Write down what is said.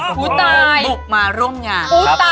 บุกมาร่วมงาน